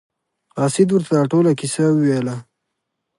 قاصد ورته دا ټوله کیسه وویله.